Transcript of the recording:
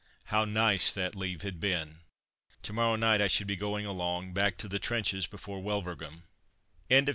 How nice that leave had been! To morrow night I should be going along back to the trenches before Wulverghem.